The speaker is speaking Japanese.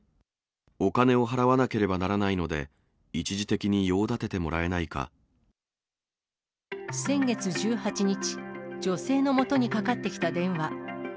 お金を払わなければならないので、先月１８日、女性のもとにかかってきた電話。